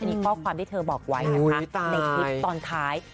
อันนี้ข้อความที่เธอบอกไว้นะคะในคลิปตอนท้าย